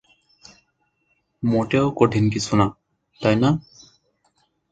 মোটেও কঠিন কিছু না, তাই না?